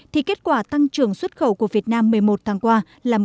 thì kết quả tăng trưởng xuất khẩu của việt nam một mươi một tháng qua là một